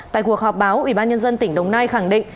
tại cuộc họp báo ubnd tỉnh đồng nai khẳng định